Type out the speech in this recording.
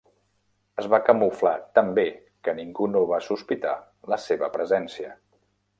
Es va camuflar tan bé que ningú no va sospitar la seva presència.